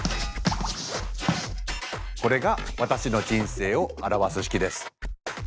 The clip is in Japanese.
これが私の人生を表す式です。